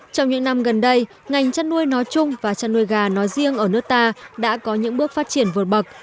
trong những năm gần đây ngành chăn nuôi nói chung và chăn nuôi gà nói riêng ở nước ta đã có những bước phát triển vượt bậc